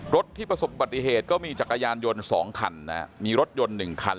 ที่ประสบปฏิเหตุก็มีจักรยานยนต์๒คันมีรถยนต์๑คัน